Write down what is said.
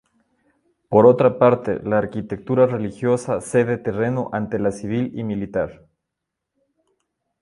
Por otra parte, la arquitectura religiosa cede terreno ante la civil y militar.